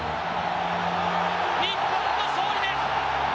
日本の勝利です。